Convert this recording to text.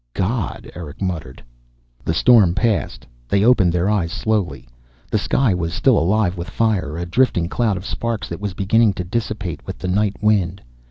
"God " Erick muttered. The storm passed. They opened their eyes slowly. The sky was still alive with fire, a drifting cloud of sparks that was beginning to dissipate with the night wind.